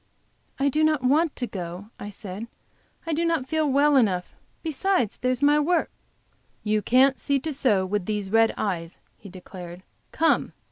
"I do not want to go," I said. "I do not feel well enough. Besides, there's my work." "You can't see to sew with these red eyes," he declared. "Come!